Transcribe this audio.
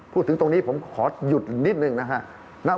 พูดถึงตรงนี้ผมขอหยุดนิดหนึ่งนะครับ